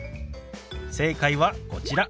正解はこちら。